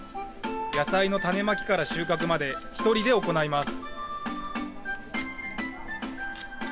野菜の種まきから収穫まで１人で行います。